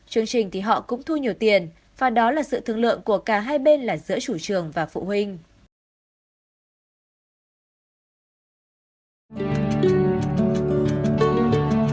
chương trình thì họ cũng thu nhiều tiền và đó là sự thương lượng của cả hai bên là giữa chủ trường và phụ huynh